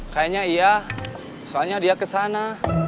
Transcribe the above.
kayaknya iya soalnya dia ke sana